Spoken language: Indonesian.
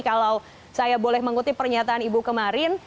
kalau saya boleh mengutip pernyataan ibu kemarin